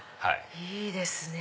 いいですね。